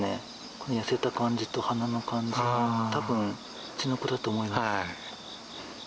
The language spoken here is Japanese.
この痩せた感じと鼻の感じから、たぶん、うちの子だと思います。